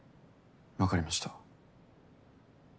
わかりました。